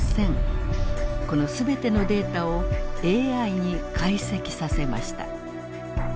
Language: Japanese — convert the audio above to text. この全てのデータをＡＩに解析させました。